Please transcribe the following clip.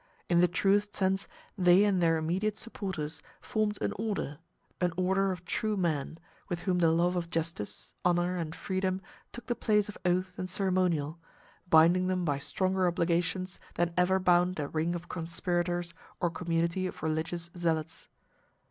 In the truest sense they and their immediate supporters formed an order; an order of true men, with whom the love of justice, honor, and freedom took the place of oath and ceremonial, binding them by stronger obligations than ever bound a ring of conspirators or a community of religious zealots.